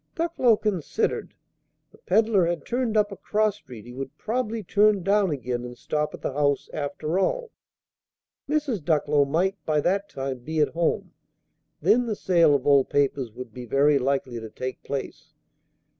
Ducklow considered. The peddler had turned up a cross street: he would probably turn down again and stop at the house, after all: Mrs. Ducklow might by that time be at home: then the sale of old papers would be very likely to take place.